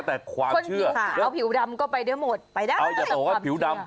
แต่ความเชื่อแล้วผิวดำก็ไปได้หมดไปได้เอาอย่าบอกว่าผิวดำ